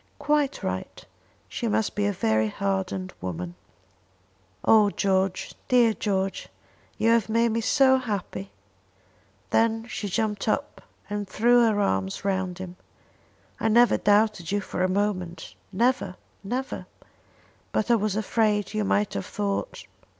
"Quite right. She must be a very hardened woman." "Oh George, dear George! You have made me so happy!" Then she jumped up and threw her arms round him. "I never doubted you for a moment never, never; but I was afraid you might have thought